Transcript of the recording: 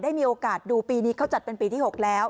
มีโอกาสดูปีนี้เขาจัดเป็นปีที่๖แล้ว